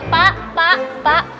pak pak pak